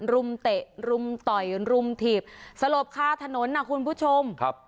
มเตะรุมต่อยรุมถีบสลบคาถนนนะคุณผู้ชมครับ